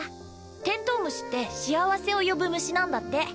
テントウムシって幸せを呼ぶ虫なんだって